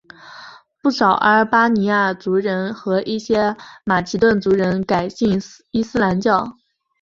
不少阿尔巴尼亚族人和一些马其顿族人改信伊斯兰教。